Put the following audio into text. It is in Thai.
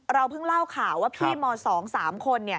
เพิ่งเล่าข่าวว่าพี่ม๒๓คน